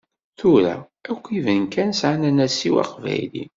Tura akk ibenkan sεan anasiw aqbayli.